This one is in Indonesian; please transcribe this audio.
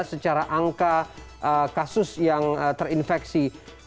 secara angka kasus yang terinfeksi